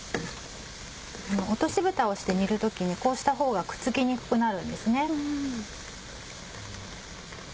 落としぶたをして煮る時にこうしたほうがくっつきにくくなるんですね。